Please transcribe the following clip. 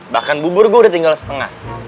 bahkan bubur gue udah tinggal setengah